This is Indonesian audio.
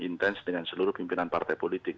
intens dengan seluruh pimpinan partai politik